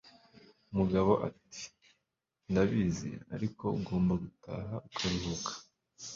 Mugabo ati: "Ndabizi, ariko ugomba gutaha ukaruhuka."